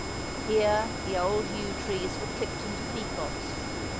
Here the old yew trees were clipped into peacocks.